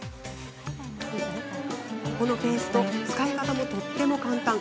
このペースト使い方もとっても簡単。